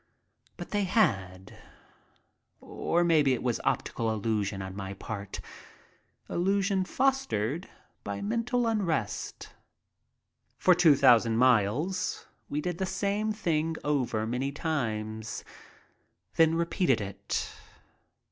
But they had, or maybe it was optical illusion on my part, illusion fostered by mental unrest. For two thousand miles we did the same thing over many times, then repeated it.